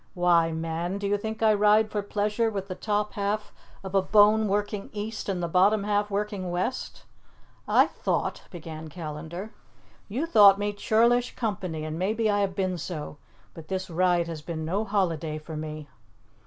"Why, man, do you think I ride for pleasure with the top half of a bone working east and the bottom half working west?" "I thought " began Callandar. "You thought me churlish company, and maybe I have been so. But this ride has been no holiday for me."